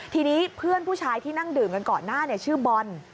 ทีนี้เพื่อนผู้ชายที่นั่งดื่มกันก่อนหน้าชื่อบอล